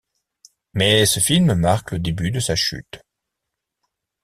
Mais ce film marque le début de sa chute.